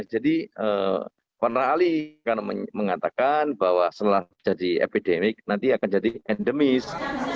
jadi panra ali mengatakan bahwa setelah jadi epidemik nanti akan jadi endemis